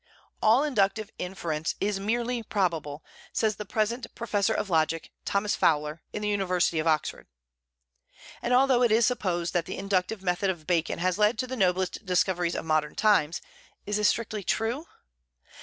"All inductive inference is merely probable," says the present professor of logic, Thomas Fowler, in the University of Oxford. And although it is supposed that the inductive method of Bacon has led to the noblest discoveries of modern times, is this strictly true?